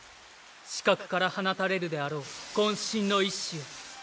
死角から放たれるであろう渾身の一矢を。